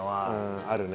あるね。